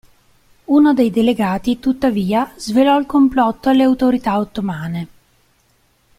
Uno dei delegati, tuttavia, svelò il complotto alle autorità ottomane.